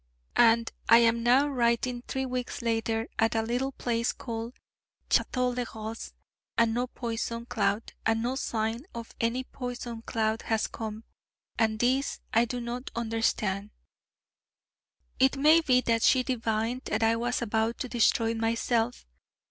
And I am now writing three weeks later at a little place called Château les Roses, and no poison cloud, and no sign of any poison cloud, has come. And this I do not understand. It may be that she divined that I was about to destroy myself